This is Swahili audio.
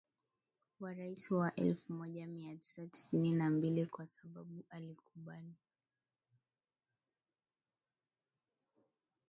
wa rais wa mwaka elfu moja mia tisa tisini na mbili kwa sababu alikubali